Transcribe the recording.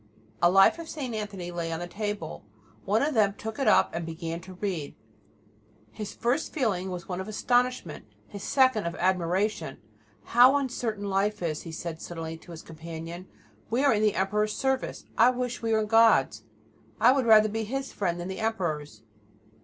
A life of St. Anthony lay on the table. One of them took it up and began to read. His first feeling was one of astonishment, his second of admiration. "How uncertain life is!" he said suddenly to his companion. "We are in the Emperor's service. I wish we were in God's; I had rather be His friend than the Emperor's."